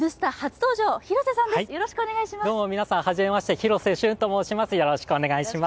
どうも皆さん初めまして、広瀬駿と申します。